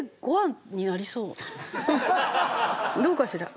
どうかしら？